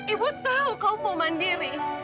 ibu tahu kau mau mandiri